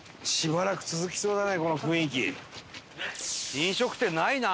飲食店ないな！